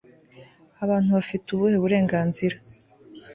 abantu bafite ubuhe burenganzira